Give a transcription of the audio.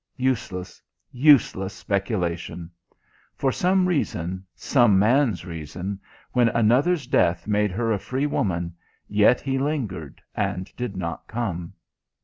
Useless, useless speculation! For some reason, some man's reason, when another's death made her a free woman, yet he lingered and did not come.